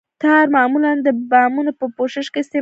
ټار معمولاً د بامونو په پوښښ کې استعمالیږي